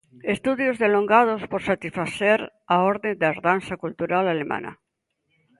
Estudios delongados por satisfacer a orde da herdanza cultural alemana.